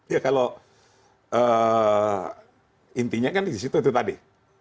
ya kalau intinya kan di situ itu tadi